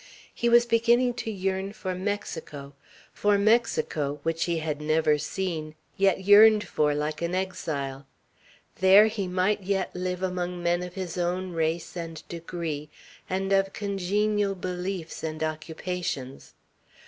He was beginning to yearn for Mexico, for Mexico, which he had never seen, yet yearned for like an exile. There he might yet live among men of his own race and degree, and of congenial beliefs and occupations.